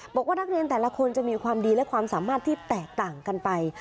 บอกว่านักเรียนแต่ละคนจะมีความดีและความสามารถที่แตกต่างกันไป